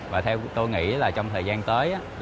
và theo tôi nghĩ trong thời gian tới